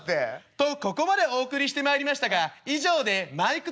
「とここまでお送りしてまいりましたが以上でマイクテストを終了します」。